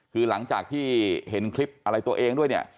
คือหลังจากที่เห็นคลิปอะไรตัวเองด้วยเนี่ย